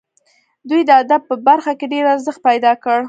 دوی د ادب په برخه کې ډېر ارزښت پیدا کړ.